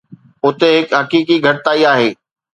اتي هڪ حقيقي گهٽتائي آهي.